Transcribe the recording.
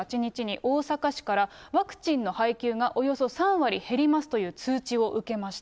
内科クリニック先月２８日に大阪市からワクチンの配給がおよそ３割減りますという通知を受けました。